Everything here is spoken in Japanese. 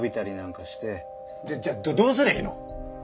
じゃじゃあどうすりゃいいの？